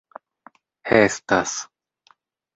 estas